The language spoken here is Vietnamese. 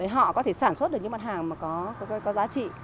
họ có thể sản xuất được những mặt hàng mà có giá trị